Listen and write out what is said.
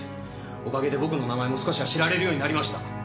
おかげで僕の名前も少しは知られるようになりました。